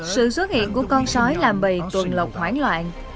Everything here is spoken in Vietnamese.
sự xuất hiện của con sói làm bì tuần lục hoảng loạn